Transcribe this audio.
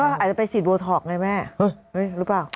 อาจจะไปฉีดโบท็อกไงแม่หรือเปล่า